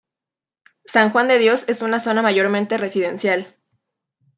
San Juan de Dios es una zona mayormente residencial.